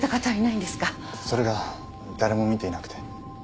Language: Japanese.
それが誰も見ていなくて。